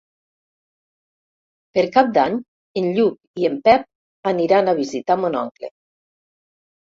Per Cap d'Any en Lluc i en Pep aniran a visitar mon oncle.